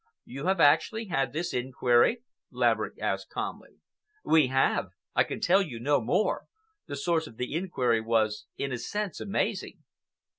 "You have actually had this inquiry?" Laverick asked calmly. "We have. I can tell you no more. The source of the inquiry was, in a sense, amazing."